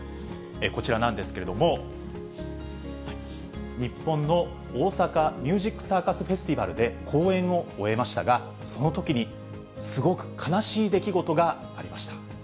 こちらなんですけれども、日本の大阪ミュージックサーカスフェスティバルで公演を終えましたが、そのときにすごく悲しい出来事がありました。